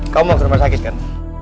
kamu mau ke rumah sakit kan